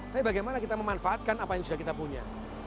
tapi bagaimana kita memanfaatkan apa yang sudah kita punya